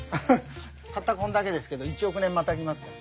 たったこんだけですけど１億年またぎますから。